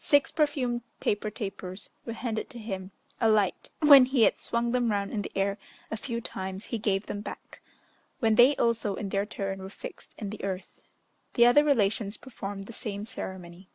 Six perfumed paper tapers were handed to him a light; when he had swung them round in the air a few times he gave them back, when they also, in their turn, were fixed in the earth. The other relations performed the same ceremony.